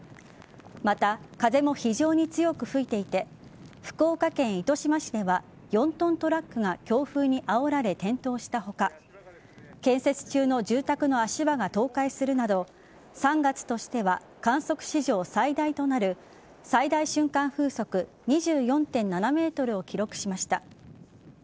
また、風も非常に強く吹いていて福岡県糸島市では４ｔトラックが強風にあおられ転倒した他建設中の住宅の足場が倒壊するなど３月としては観測史上最大となる最大瞬間風速２４．７メートルを記録しました。